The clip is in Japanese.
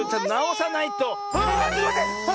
なおさないと。